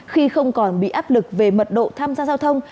khi không còn bị áp lực về mật độ tham gia giao thông